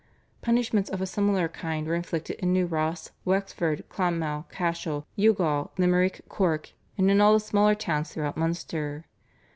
" Punishments of a similar kind were inflicted in New Ross, Wexford, Clonmel, Cashel, Youghal, Limerick, Cork, and in all the smaller towns throughout Munster.